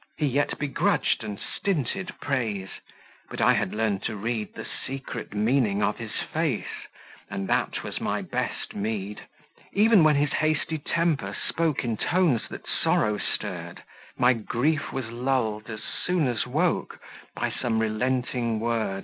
He yet begrudged and stinted praise, But I had learnt to read The secret meaning of his face, And that was my best meed. Even when his hasty temper spoke In tones that sorrow stirred, My grief was lulled as soon as woke By some relenting word.